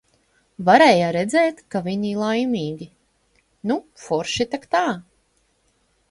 Varēja redzēt, ka viņi laimīgi. Nu forši tak tā.